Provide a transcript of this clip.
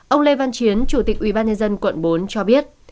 ông lê văn chiến chủ tịch ubnd quận bốn cho biết